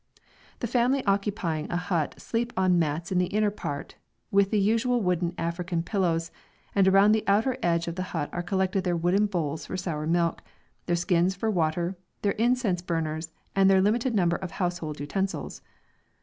The family occupying a hut sleep on mats in the inner part, with the usual wooden African pillows, and around the outer edge of the hut are collected their wooden bowls for sour milk, their skins for water, their incense burners, and their limited number of household utensils.